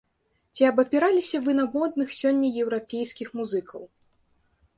Ці абапіраліся вы на модных сёння еўрапейскіх музыкаў?